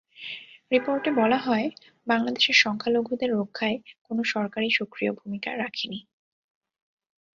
রিপোর্টে বলা হয়, বাংলাদেশের সংখ্যালঘুদের রক্ষায় কোনো সরকারই সক্রিয় ভূমিকা রাখেনি।